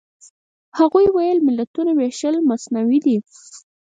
هغوی ویل ملتونو وېشل مصنوعي دي.